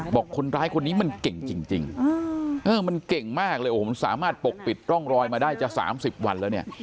บอกคนร้ายคนนี้มันเก่งจริงมันเก่งมากเลยโอ้โหมันสามารถปกปิดร่องรอยมาได้จะ๓๐วันแล้วเนี่ย